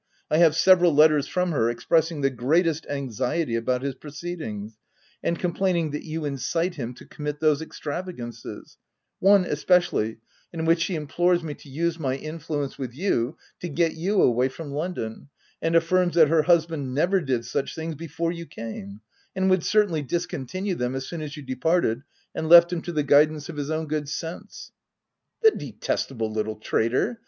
I have several letters from OF WILDFELL HALL. 191 her, expressing the greatest anxiety about his proceedings, and complaining that you incite him to commit those extravagances — one espe cially, in which she implores me to use my influence with you to get you away from Lon don, and affirms that her husband never did such things before you came, and would cer tainly discontinue them as soon as you departed and left him to the guidance of his own good sense/' " The detestable little traitor